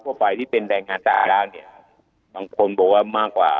โดยทั่วไปที่เป็นแรงงานสะอาดล่ะเนี่ยบางคนบอกว่ามากกว่า